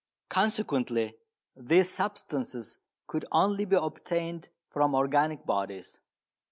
Consequently these substances could only be obtained from organic bodies.